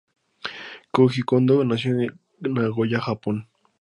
Kōji Kondō nació en Nagoya, Japón.